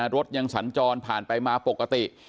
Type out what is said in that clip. รถยังสัญจรผ่านไปมาปกติ